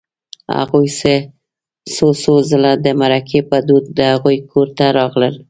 هغوی څو څو ځله د مرکې په دود د هغوی کور ته راغلل